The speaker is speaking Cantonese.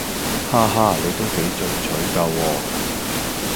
哈哈你都幾進取㗎喎